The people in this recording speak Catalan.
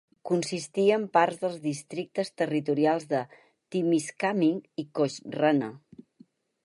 Consistia en parts dels districtes territorials de Timiskaming i Cochrane.